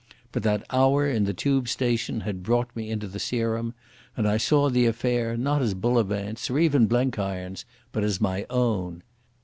But that hour in the Tube station had brought me into the serum, and I saw the affair not as Bullivant's or even Blenkiron's, but as my own.